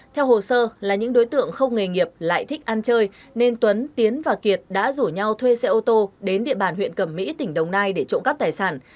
theo hồ sơ là những đối tượng không nghề nghiệp lại thích ăn chơi nên tuấn tiến và kiệt đã rủ nhau thuê xe ô tô đến địa bàn huyện cẩm mỹ tỉnh đồng nai để trộm cắp tài sản